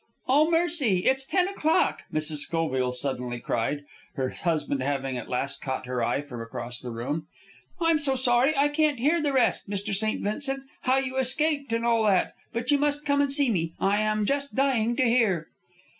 "Oh, mercy! It's ten o'clock!" Mrs. Schoville suddenly cried, her husband having at last caught her eye from across the room. "I'm so sorry I can't hear the rest, Mr. St. Vincent, how you escaped and all that. But you must come and see me. I am just dying to hear!"